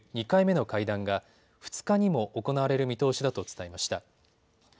２回目の会談が２日にも行われる見通しだと伝えました。